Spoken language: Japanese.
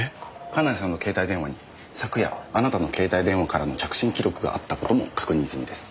金谷さんの携帯電話に昨夜あなたの携帯電話からの着信記録があった事も確認済みです。